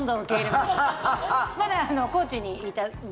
まだ高知にいたんで。